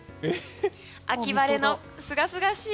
秋晴れのすがすがしい